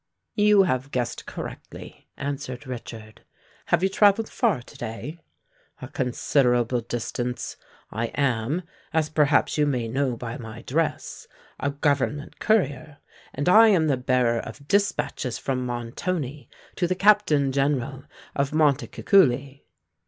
"You have guessed correctly," answered Richard. "Have you travelled far to day?" "A considerable distance. I am, as perhaps you may know by my dress, a government courier: and I am the bearer of dispatches from Montoni to the Captain General of Montecuculi."